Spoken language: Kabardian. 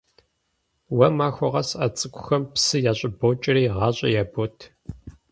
Уэ махуэ къэс а цӀыкӀухэм псы ящӀыбокӀэри, гъащӀэ ябот.